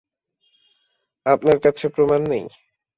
আপনার কাছে প্রমাণ নেই।